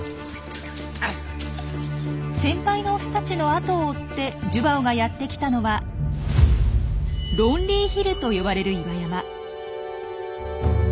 先輩のオスたちの後を追ってジュバオがやってきたのは「ロンリーヒル」と呼ばれる岩山。